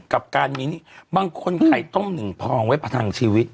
กับการมีหนี้บางคนไข่ต้มหนึ่งพองไว้ประทังชีวิต